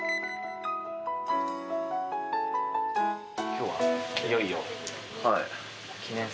今日はいよいよ。